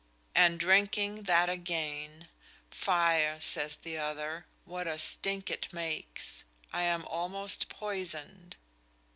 And drinking that againe, fie, sayes the other, what a stinke it makes; I am almost poysoned.